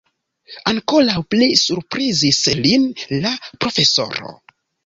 Ankoraŭ pli surprizis lin la profesoro.